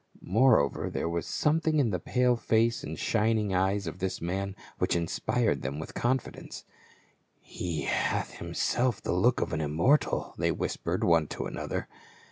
Moreover there was something in the pale face and shining eyes of this 28 434 PA UL. man which inspired them with confidence. " He hath liimself the look of an immortal," they whispered one to another.